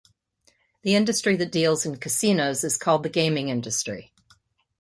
The industry that deals in casinos is called the gaming industry.